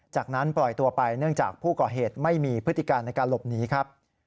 จากนั้นปล่อยตัวไปเนื่องจากผู้ก่อเหตุไม่มีพฤติการในการหลบหนีครับ